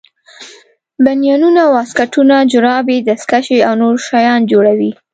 بنینونه واسکټونه جورابې دستکشې او نور شیان جوړوي.